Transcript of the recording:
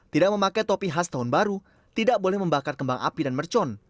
tidak memakai topi khas tahun baru tidak boleh membakar kembang api dan mercon